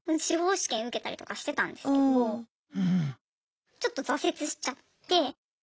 司法試験受けたりとかしてたんですけどちょっと挫折しちゃって。